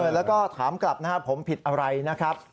แล้วก็ถามกลับนะครับผมผิดอะไรนะครับ